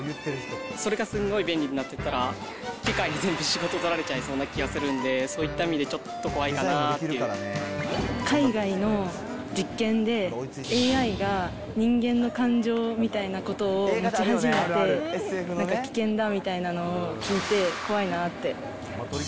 それがすんごい便利になったら、機械に全部仕事取られちゃいそうな気がするんで、そういった意味で、ちょっと怖いかなぁっていう海外の実験で、ＡＩが人間の感情みたいなことを持ち始めて、なんか危険だみたいなのを聞いて、怖いなぁって。